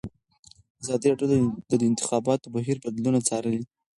ازادي راډیو د د انتخاباتو بهیر بدلونونه څارلي.